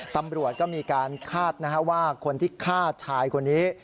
ตำรวจก็มีการคาดว่าคนที่ฆ่าชายคนนี้